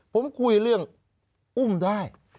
ผมคุยเรื่องอุ้มได้